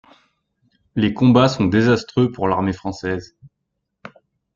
Les combats sont désastreux pour l'armée français.